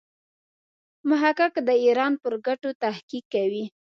محقق د ایران پر ګټو تحقیق کوي.